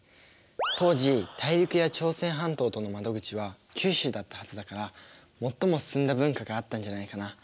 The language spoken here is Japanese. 当時大陸や朝鮮半島との窓口は九州だったはずだから最も進んだ文化があったんじゃないかな？